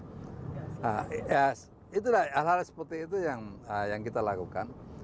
nah itulah hal hal seperti itu yang kita lakukan